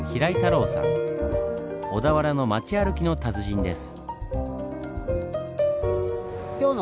小田原の町歩きの達人です。